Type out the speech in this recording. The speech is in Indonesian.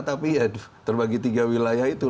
tapi ya terbagi tiga wilayah itu